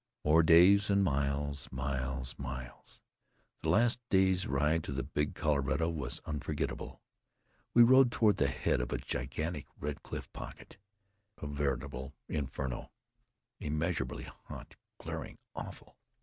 More days, and miles, miles, miles! The last day's ride to the Big Colorado was unforgettable. We rode toward the head of a gigantic red cliff pocket, a veritable inferno, immeasurably hot, glaring, awful.